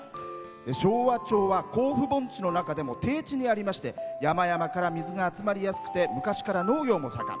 昭和町は甲府盆地の中でも低地にありまして山々から水が集まりやすくて昔から農業も盛ん。